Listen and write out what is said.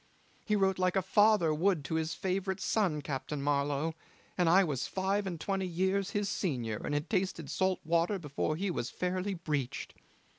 He wrote like a father would to a favourite son, Captain Marlow, and I was five and twenty years his senior and had tasted salt water before he was fairly breeched.